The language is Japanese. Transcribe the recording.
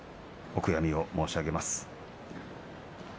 お悔やみを申し上げます。